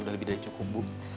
udah lebih dari cukup bu